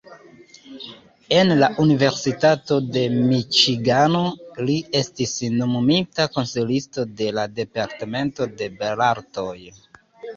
En la Universitato de Miĉigano li estis nomumita konsilisto de la departamento de belartoj.